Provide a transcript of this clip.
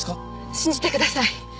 信じてください。